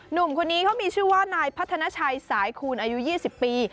หนุ่มคนนี้เขามีชื่อว่านายพัฒนาชัยสายคูณอายุ๒๐ปี